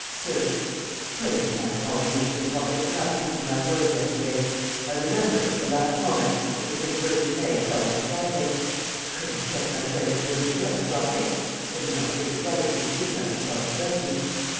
"SIR, "'Pray make my apologies to the public for not keeping my word yesterday. I remembered, at the last moment, that the 31st of May fell on a Friday! Could I set my friend at liberty on a Friday? I did not think it right to assume that responsibility.